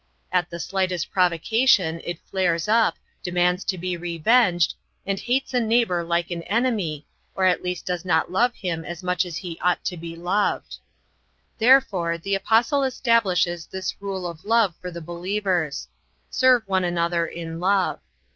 At the slightest provocation it flares up, demands to be revenged, and hates a neighbor like an enemy, or at least does not love him as much as he ought to be loved. Therefore the Apostle establishes this rule of love for the believers. Serve one another in love.